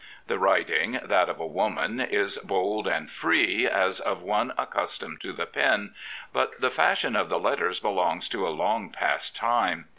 The writing, that of a woman, is bold and free, as of one accustomed to the pen; but the fashion of the letters belongs to a Iong>past time.